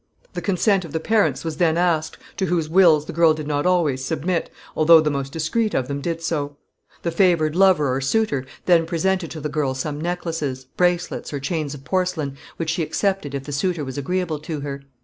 The consent of the parents was then asked, to whose wills the girl did not always submit, although the most discreet of them did so. The favoured lover or suitor then presented to the girl some necklaces, bracelets or chains of porcelain, which she accepted if the suitor was agreeable to her.